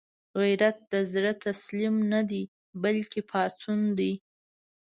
غیرت د زړه تسلیم نه دی، بلکې پاڅون دی